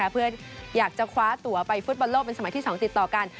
เพื่ออยากกลับไปฟุตบอลโลปที่๒ศมติดต่อกัน